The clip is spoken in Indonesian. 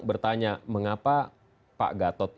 bertanya mengapa pak gatot